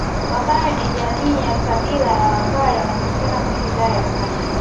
Wapare ni jamii ya kabila la wapare wanapatikana moshi wilaya ya same